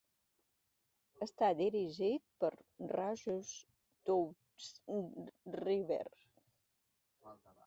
Està dirigit per Rajesh Touchriver.